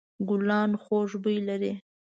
ګلان خوږ بوی لري.